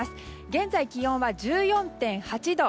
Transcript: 現在、気温は１４．８度。